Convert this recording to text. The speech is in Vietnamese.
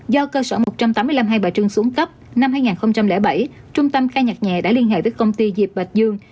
do cơ sở một trăm tám mươi năm hai bà trưng xuống cấp năm hai nghìn bảy trung tâm ca nhạc nhẹ đã liên hệ với công ty diệp bạch dương